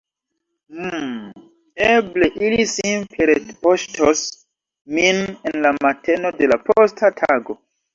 "Mmm, eble ili simple retpoŝtos min en la mateno de la posta tago.